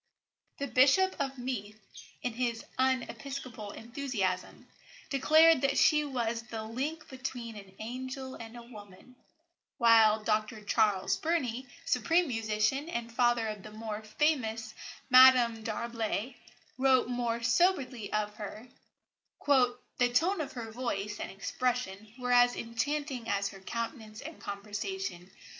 The Bishop of Meath, in his unepiscopal enthusiasm, declared that she was "the link between an angel and a woman"; while Dr Charles Burney, supreme musician and father of the more famous Madame d'Arblay, wrote more soberly of her: "The tone of her voice and expression were as enchanting as her countenance and conversation.